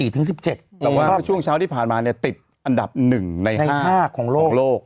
แต่ว่าช่วงเช้าที่ผ่านมาติดอันดับหนึ่งในห้าของโลก